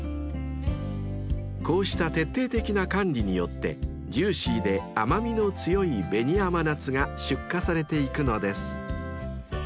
［こうした徹底的な管理によってジューシーで甘味の強い紅甘夏が出荷されていくのです］